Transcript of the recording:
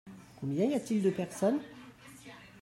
Combien y a-t-il de personnes ?